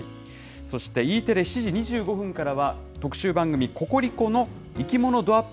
そしてＥテレ７時２５分からは、特集番組、ココリコの生きものどアップ！